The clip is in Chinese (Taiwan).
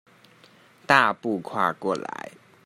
大步跨過來